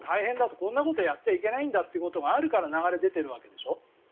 こんなことをやっちゃいけないんだというのがあるから流れ出ているわけでしょ。